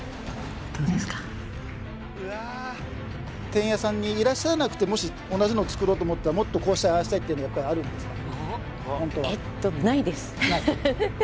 てんやさんにいらっしゃらなくてもし同じのを作ろうと思ったらもっとこうしたいああしたいってのはあるんですか？